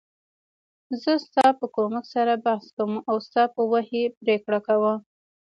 زه ستا په کومک سره بحث کوم او ستا په وحی پریکړه کوم .